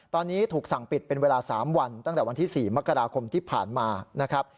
ตอนนี้ถูกสั่งปิดเป็นเวลา๓วันตั้งแต่วันที่๔มกราคมที่ผ่านมานะครับ